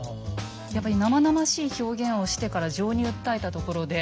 やっぱり生々しい表現をしてから情に訴えたところで。